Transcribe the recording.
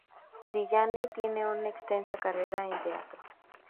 Dillane tiene una extensa carrera en teatro.